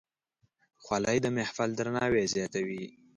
خولۍ د محفل درناوی زیاتوي.